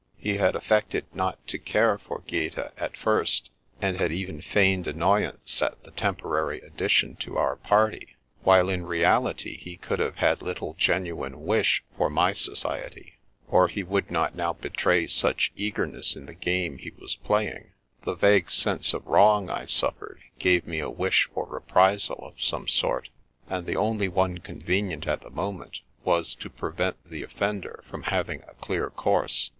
He had affected not to care for Gaeta at first, and had even feigned annoyance at the temporary addition to our party, while in real ity he could have had little genuine wish for my so ciety, or he would not now betray such eagerness in the game he was playing. The vague sense of wrong I suffered gave me a wish for reprisal of some sort, and the only one convenient at the moment was to prevent the offender from having a clear course.